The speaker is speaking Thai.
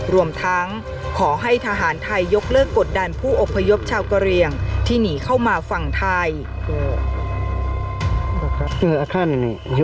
รวมทั้งขอให้ทหารไทยยกเลิกกดดันผู้อพยพชาวกะเรียงที่หนีเข้ามาฝั่งไทย